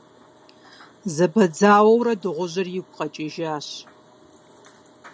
Зэбэдзауэурэ, дыгъужьыр игу къэкӏыжащ.